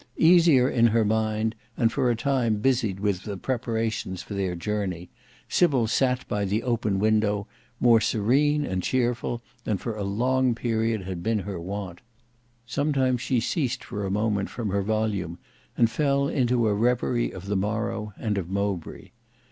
Easier in her mind and for a time busied with the preparations for their journey, Sybil sate by the open window more serene and cheerful than for a long period had been her wont. Sometimes she ceased for a moment from her volume and fell into a reverie of the morrow and of Mowbray.